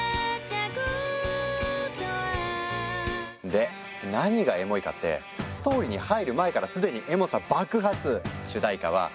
で何がエモいかってストーリーに入る前から既にエモさ爆発！